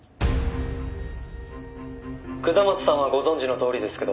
「下松さんはご存じのとおりですけど」